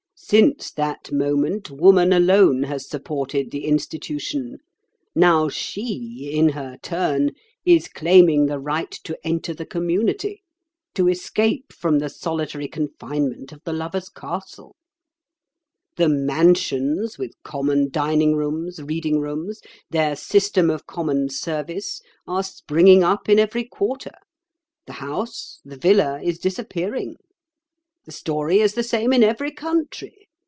Since that moment woman alone has supported the institution. Now she, in her turn, is claiming the right to enter the community, to escape from the solitary confinement of the lover's castle. The 'mansions,' with common dining rooms, reading rooms, their system of common service, are springing up in every quarter; the house, the villa, is disappearing. The story is the same in every country.